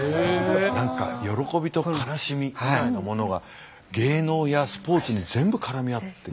何か喜びと悲しみみたいなものが芸能やスポーツに全部絡み合って。